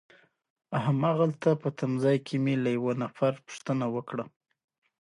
هماغلته په تمځای کي مې له یوه نفر پوښتنه وکړه.